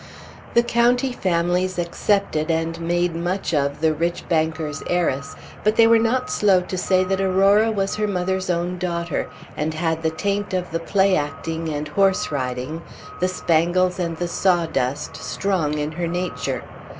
The county families accepted and made much of the rich banker's heiress; but they were not slow to say that Aurora was her mother's own daughter, and had the taint of the play acting and horse riding, the spangles and the sawdust, strong in her nature.